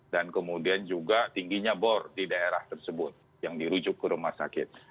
dan kemudian juga tingginya bor di daerah tersebut yang dirujuk ke rumah sakit